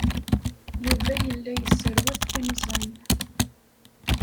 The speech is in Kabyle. Yuba yella yesserwat timẓin.